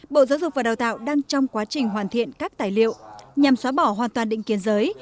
bộ giáo dục và đào tạo đang trong quá trình hoàn thiện các tài liệu nhằm xóa bỏ hoàn toàn định kiến giới